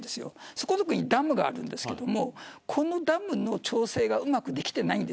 そこにダムがあるんですけどこのダムの調整がうまくできていません。